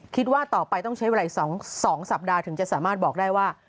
คิดว่าต่อไปต้องใช้เวลาอีก๒สัปดาห์ถึงจะสามารถบอกได้ว่า